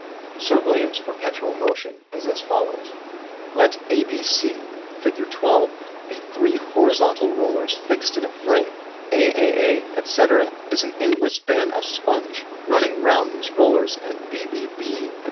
Sir William's perpetual motion is as follows: " Let ABC, Fig. 12, be three horizontal rollers fixed in a frame; aaa, etc., is an endless band of sponge, running round these rollers; and bbb, etc.